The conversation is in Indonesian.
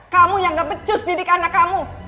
kamu yang gak becus didik anak kamu